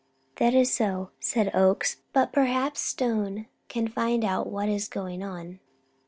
"That is so," said Oakes. "But perhaps Stone can find out what is going on."